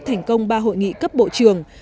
thành công ba hội nghị cấp bộ trưởng